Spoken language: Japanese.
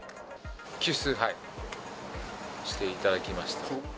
救出していただきました。